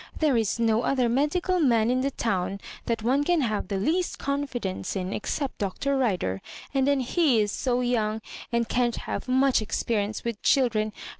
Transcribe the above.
There is no other medi cal man in the town that one can have the least confidence in, except Dr. Rider; and then ?ie is so young, and can't have much experience with children.